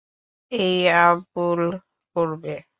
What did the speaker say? এই আবুল করবে।